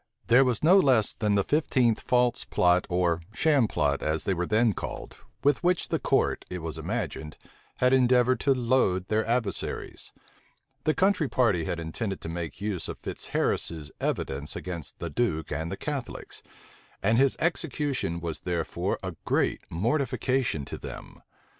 This was no less than the fifteenth false plot, or sham plot, as they were then called, with which the court, it was imagined, had endeavored to load their adversaries.[*] * College's trial. The country party had intended to make use of Fitzharris's evidence against the duke and the Catholics; and his execution was therefore a great mortification to them.